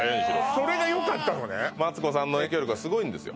それがよかったのねマツコさんの影響力はすごいんですよ